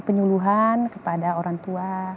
penyuluhan kepada orang tua